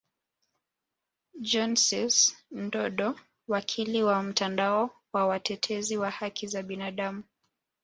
Johnsis Ndodo wakili wa mtandao wa watetezi wa haki za binadamu